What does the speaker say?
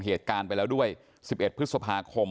เหตุการณ์ไปแล้วด้วย๑๑พฤษภาคม